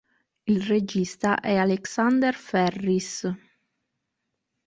Il regista è Alexander Ferris.